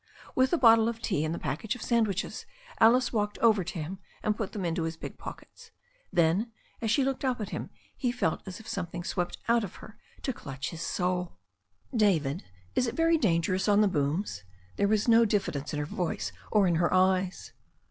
With the bottle of tea and the package of sandwiches Alice walked over to him and put them into his big pockets. Then, as she looked up at him, he felt as if something swept out of her to clutch his soul. THE STORY OF A NEW ZEALAND RIVER 171 "David, is it very dangerous on the booms?" There was no diffidence in her voice or in her eyes.